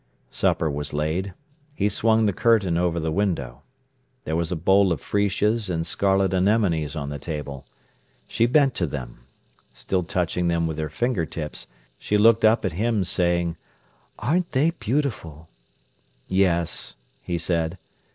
Supper was laid. He swung the curtain over the window. There was a bowl of freesias and scarlet anemones on the table. She bent to them. Still touching them with her finger tips, she looked up at him, saying: "Aren't they beautiful?" "Yes," he said.